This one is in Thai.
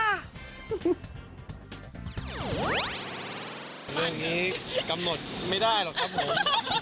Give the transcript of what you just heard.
เรื่องนี้กำหนดไม่ได้หรอกครับผม